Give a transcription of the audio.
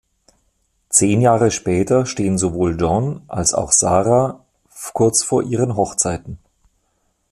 Zehn Jahre später stehen sowohl Jon als auch Sara kurz vor ihren Hochzeiten.